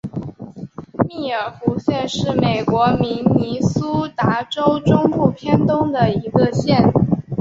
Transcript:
密尔湖县是美国明尼苏达州中部偏东的一个县。